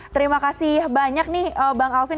terima kasih banyak nih bang alvin